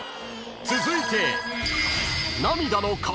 ［続いて］